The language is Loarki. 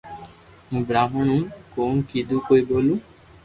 ھون براھمڻ ھون ھون ڪوڻ ڪيدو ڪوئي ٻولو